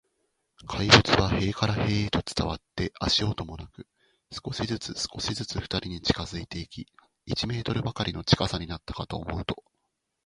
怪物は塀から塀へと伝わって、足音もなく、少しずつ、少しずつ、ふたりに近づいていき、一メートルばかりの近さになったかと思うと、